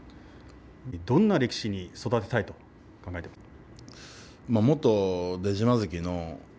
どんな力士に育てたいと考えていますか。